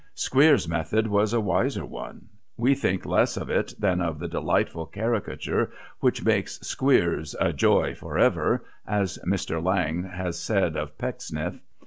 Squeers' method was a wiser one. We think less of it than of the delightful caricature, which makes Squeers "a joy for ever," as Mr. Lang has said of Pecksniff.